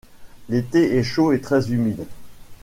L'été est chaud et très humide.